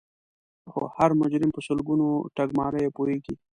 هر مجرم په سلګونو ټګماریو پوهیږي